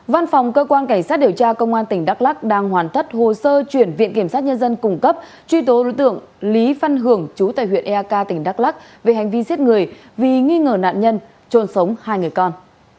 văn phòng cơ quan cảnh sát điều tra công an tỉnh đắk lắc đang hoàn tất hồ sơ chuyển viện kiểm sát nhân dân cung cấp truy tố đối tượng lý văn hưởng chú tại huyện eak tỉnh đắk lắc về hành vi giết người vì nghi ngờ nạn nhân trôn sống hai người con